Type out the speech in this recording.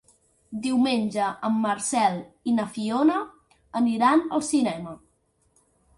Diumenge en Marcel i na Fiona aniran al cinema.